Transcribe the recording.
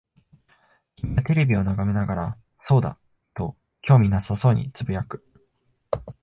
君はテレビを眺めながら、そうだ、と興味なさそうに呟く。